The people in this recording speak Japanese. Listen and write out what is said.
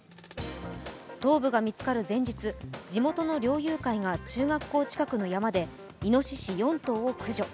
頭部が見つかる前日、地元の猟友会が中学校近くの山でいのしし４頭を駆除。